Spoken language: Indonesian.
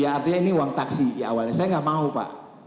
ya artinya ini uang taksi ya awalnya saya gak mau pak gak usah saya bilang